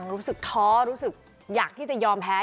รู้สึกท้อรู้สึกอยากที่จะยอมแพ้